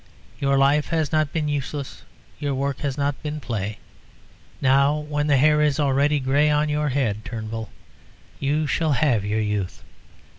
Your life has not been useless. Your work has not been play. Now, when the hair is already grey on your head, Turnbull, you shall have your youth.